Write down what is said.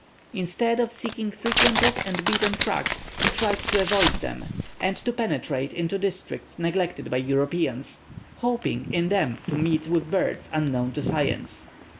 Instead of seeking frequented and beaten tracks, he tried to avoid them, and to penetrate into districts neglected by Europeans, hoping in them to meet with birds unknown to science.